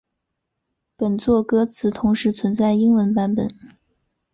本作歌词同时存在英文版本。